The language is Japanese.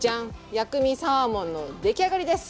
薬味サーモンの出来上がりです。